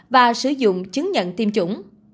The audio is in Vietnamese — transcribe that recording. và sử dụng chứng nhận tiêm chủng